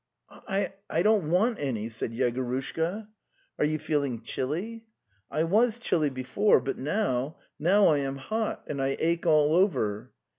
ries i dont want any, ') said Yeoorushkar "Are you feeling chilly?" '""T was chilly before, but now ... now I am hot. And ache alliever!